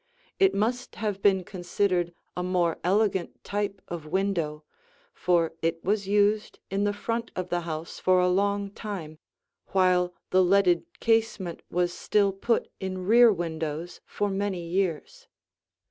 It must have been considered a more elegant type of window, for it was used in the front of the house for a long time, while the leaded casement was still put in rear windows for many years.